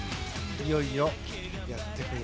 いよいよやってくる。